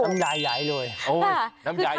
น้ำยายบ่อย